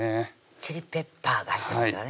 チリペッパーが入ってますからね